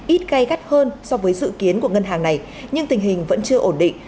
ít cay gắt hơn so với dự kiến của ngân hàng này nhưng tình hình vẫn chưa ổn định